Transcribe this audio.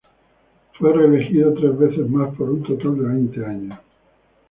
Fue reelegido tres veces más por un total de veinte años.